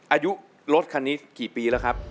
อายุรถคันนี้กี่ปีแล้วครับ